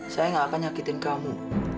saya tidak akan menyakiti kamu